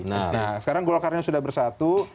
nah sekarang golkarnya sudah bersatu